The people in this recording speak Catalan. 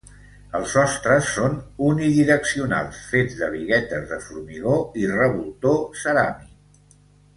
Els sostres són unidireccionals fets de biguetes de formigó i revoltó ceràmic.